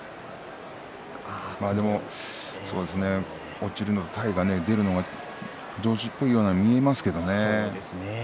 落ちるのと体が出るのが同時のようにも見えますけれどね。